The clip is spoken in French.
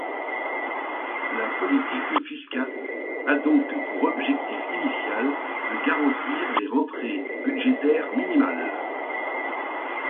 La politique fiscale a donc pour objectif initial de garantir les rentrées budgétaires minimales.